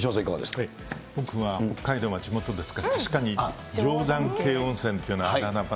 僕は北海道が地元ですから、確かに定山渓温泉というのは穴場。